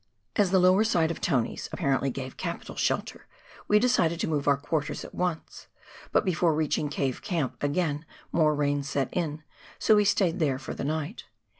As the lower side of Tony's apparently gave capital shelter, we decided to move our quarters at once ; but before reach ing Cave Camp again more rain set in, so we stayed there for the night.